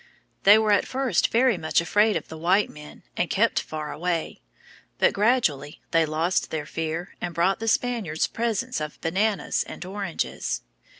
They were at first very much afraid of the white men and kept far away. But gradually they lost their fear and brought the Spaniards presents of bananas and oranges.